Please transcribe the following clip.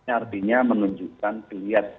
artinya menunjukkan dilihat